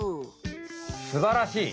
すばらしい！